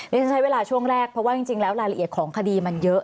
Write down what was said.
ฉันใช้เวลาช่วงแรกเพราะว่าจริงแล้วรายละเอียดของคดีมันเยอะ